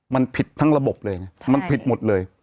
มันผิดทั้งระบบเลยไงมันผิดหมดเลย